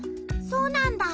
そうなんだ。